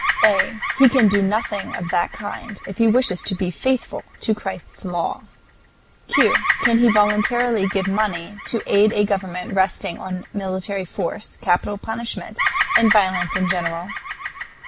A. He can do nothing of that kind if he wishes to be faithful to Christ's law. Q. Can he voluntarily give money to aid a government resting on military force, capital punishment, and violence in general?